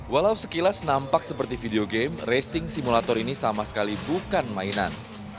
walau sekilas nampak seperti video game racing simulator ini sama sekali bukan mainan